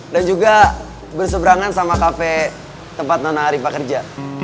dan juga berseberangan sama cafe tempat nona ariefa kerja